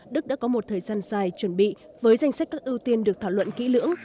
đức đã có một thời gian dài chuẩn bị với danh sách các ưu tiên được thảo luận kỹ lưỡng